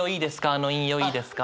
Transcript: あの引用いいですか？」